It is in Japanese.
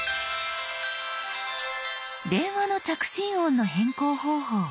電話の着信音の変更方法。